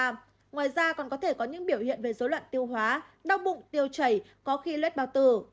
ngoài ra còn có thể có những biểu hiện về dối loạn tiêu hóa đau bụng tiêu chảy có khi lét bao tử